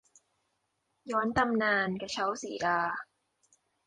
ย้อนตำนาน กระเช้าสีดา